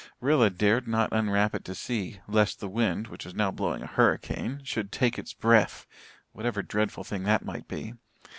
Rilla dared not unwrap it to see, lest the wind, which was now blowing a hurricane, should "take its breath," whatever dreadful thing that might be.